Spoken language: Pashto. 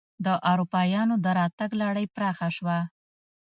د اروپایانو دراتګ لړۍ پراخه شوه.